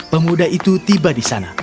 pemuda itu tiba di sana